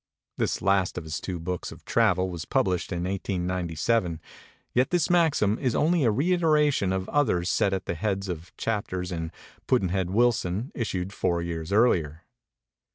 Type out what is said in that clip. This last of his books of travel was published in 1897; yet this maxim is only a reiteration of others set at the heads of chap ters in 'Pudd'nhead Wilson' issued four years earlier.